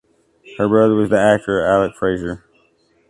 Her brother was the actor Alec Fraser.